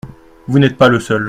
Vous n’êtes pas le seul.